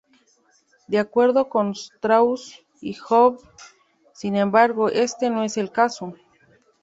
De acuerdo con Strauss y Howe, sin embargo, este no es el caso.